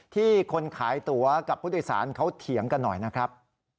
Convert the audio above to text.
ที่คนขายตัวกับผู้โดยสารเขาเถียงกันหน่อยนะครับ